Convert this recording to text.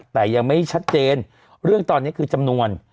แต่ยังไม่ชัดเจนเรื่องตอนนี้คือจำนวน